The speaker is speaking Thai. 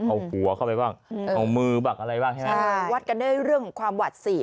เอาหัวเข้าไปบ้างเอามือบ้างอะไรบ้างใช่ไหมวัดกันได้เรื่องความหวัดเสีย